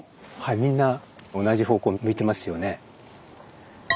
みんな同じ方向向いてますよね。